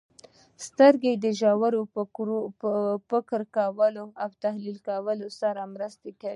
• سترګې د ژور فکر کولو او تحلیل کولو سره مرسته کوي.